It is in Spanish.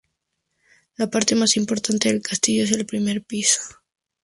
La parte más importante del castillo es el primer piso.